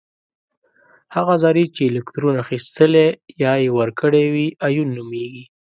هغه ذرې چې الکترون اخیستلی یا ورکړی وي ایون نومیږي.